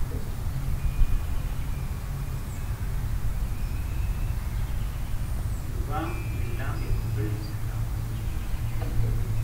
Yuba yella iqebbel isefla.